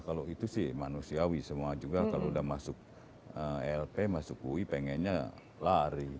kalau itu sih manusiawi semua juga kalau udah masuk lp masuk ui pengennya lari